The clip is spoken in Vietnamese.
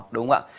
đúng không ạ